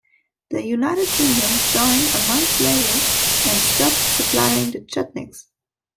The United Kingdom joined a month later, and stopped supplying the Chetniks.